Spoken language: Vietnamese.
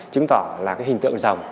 chứng tỏ là cái hình tượng rồng